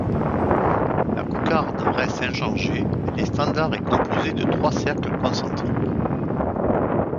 La cocarde reste inchangée, elle est standard et composée de trois cercles concentriques.